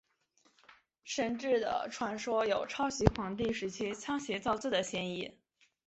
神志的传说有抄袭黄帝时期仓颉造字的嫌疑。